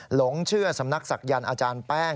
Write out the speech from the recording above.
หลงเชื่อสำนักศักยันต์อาจารย์แป้ง